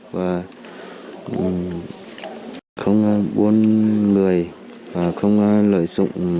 và không buôn người và không lợi dụng